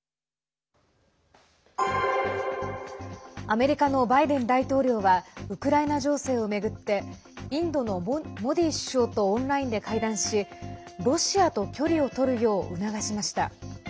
アメリカのバイデン大統領はウクライナ情勢を巡ってインドのモディ首相とオンラインで会談しロシアと距離を取るよう促しました。